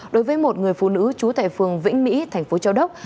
đối với một người phụ nữ chú tại phường vĩnh mỹ tp châu đốc